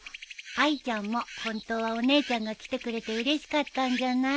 あいちゃんもホントはお姉ちゃんが来てくれてうれしかったんじゃない？